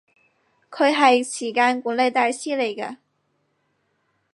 佢係時間管理大師嚟㗎